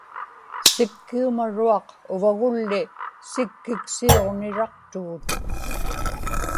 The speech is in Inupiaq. sikkiumaruaq uvagulli sikkiksiuġniraqtugut